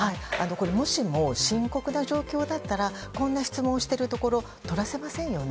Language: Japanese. もしも深刻な状況だったらこんな質問をしているところ撮らせませんよね。